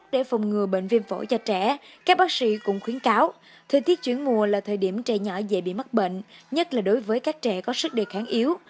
để phòng ngừa bệnh viêm phổi cho trẻ các bác sĩ cũng khuyến cáo thời tiết chuyển mùa là thời điểm trẻ nhỏ dễ bị mắc bệnh nhất là đối với các trẻ có sức đề kháng yếu